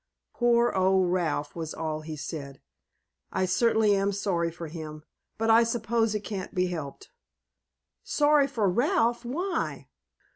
"Poor old Ralph," was all he said. "I certainly am sorry for him, but I suppose it can't be helped." "Sorry for Ralph? Why?"